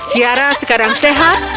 kiara sekarang sehat